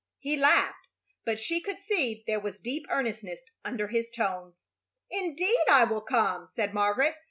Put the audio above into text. He laughed, but she could see there was deep earnestness under his tone. "Indeed I will come," said Margaret.